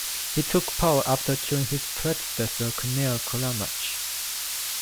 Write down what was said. He took power after killing his predecessor, Conall Collamrach.